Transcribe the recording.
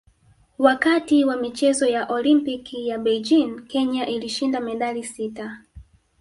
Wakati wa michezo ya Olimpiki ya Beijing Kenya ilishinda medali sita